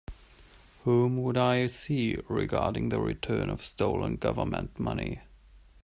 Whom would I see regarding the return of stolen Government money?